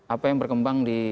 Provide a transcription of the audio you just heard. apa yang berkembang di